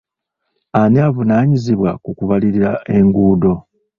Ani avunaanyizibwa ku kulabirira enguudo?